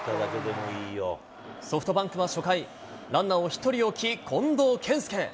ソフトバンクは初回、ランナーを１人置き、近藤健介。